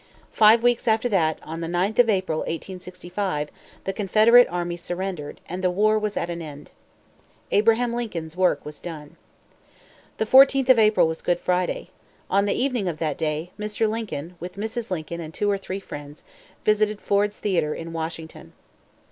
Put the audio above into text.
Five weeks after that, on the 9th of April, 1865, the Confederate army surrendered, and the war was at an end. Abraham Lincoln's work was done. The 14th of April was Good Friday. On the evening of that day, Mr. Lincoln, with Mrs. Lincoln and two or three friends, visited Ford's Theatre in Washington.